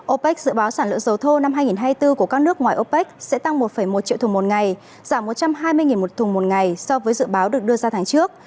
opec dự báo sản lượng dầu thô năm hai nghìn hai mươi bốn của các nước ngoài opec sẽ tăng một một triệu thùng một ngày giảm một trăm hai mươi một thùng một ngày so với dự báo được đưa ra tháng trước